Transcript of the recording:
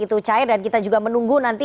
itu cair dan kita juga menunggu nanti